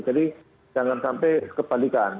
jadi jangan sampai kebalikan